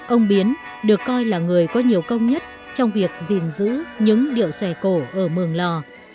ông biến được coi là người có nhiều công nhất trong việc gìn giữ những điệu xòe cổ ở mường lò